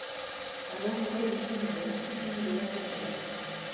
Alors, Claude s'oublia, stupide devant ce triomphe.